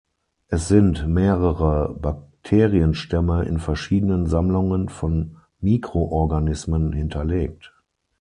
Es sind mehrere Bakterienstämme in verschiedenen Sammlungen von Mikroorganismen hinterlegt.